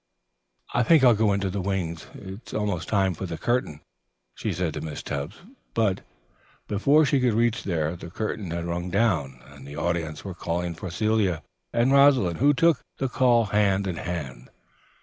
"I think I'll go into the wings. It's almost time for the curtain," she said to Miss Tebbs. But before she could reach there, the curtain had rung down and the audience were calling for Celia and Rosalind, who took the call hand in hand.